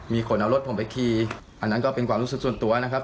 มีคนเอารถผมไปขี่อันนั้นก็เป็นความรู้สึกส่วนตัวนะครับ